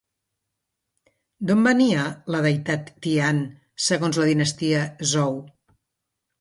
D'on venia la deïtat Tian segons la dinastia Zhou?